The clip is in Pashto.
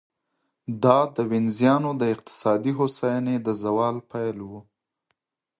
دا د وینزیانو د اقتصادي هوساینې د زوال پیل و.